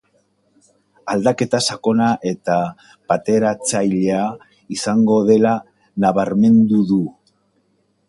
Aldaketa sakona eta bateratzailea izango dela nabarmendu du.